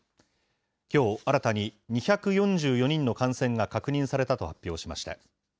きょう新たに２４４人の感染が確認されたと発表しました。